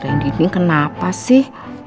randy ini kenapa sih